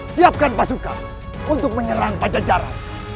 siapkan pasukan untuk menyerang pajajaran